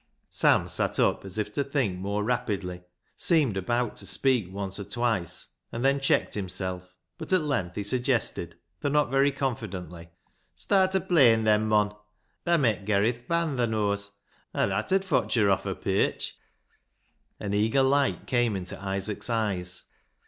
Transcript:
Sam sat up, as if to think more rapidly, seemed about to speak once or twice, and then checked himself; but at length he suggested, though not very confidently —" Start o' playin' then, mon. Thaa met ger i' th' band, thaa knows, an' that 'ud fotch her off her pierch." An eager light came into Isaac's eyes.